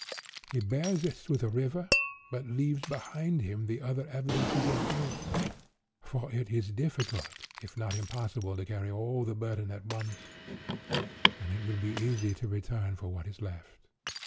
He bears it to the river, but leaves behind him the other evidences of guilt; for it is difficult, if not impossible to carry all the burthen at once, and it will be easy to return for what is left.